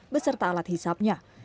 beserta alat hisapnya